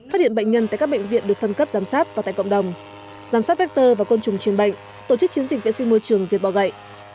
phát hiện bệnh nhân tại các bệnh viện được phân cấp giám sát và tại cộng đồng giám sát vector và côn trùng truyền bệnh tổ chức chiến dịch vệ sinh môi trường diệt bọ gậy